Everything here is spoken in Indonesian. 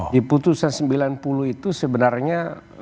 di putusan sembilan puluh itu sebenarnya